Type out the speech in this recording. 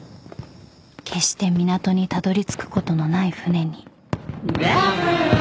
［決して港にたどりつくことのない舟に］